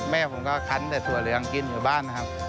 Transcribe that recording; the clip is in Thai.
แม่ผมก็คันแต่ถั่วเหลืองกินอยู่บ้านนะครับ